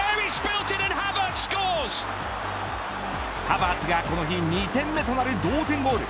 ハヴァーツがこの日２点目となる同点ゴール。